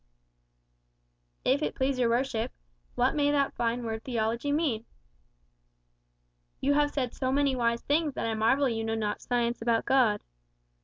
"If it please your worship, what may that fine word theology mean?" "You have said so many wise things, that I marvel you know not Science about God."